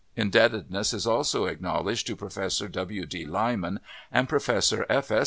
Indebtedness is also acknowledged to Professor W. D. Lyman and Professor F. S.